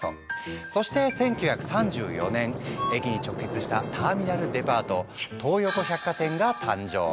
そして１９３４年駅に直結したターミナルデパート東横百貨店が誕生。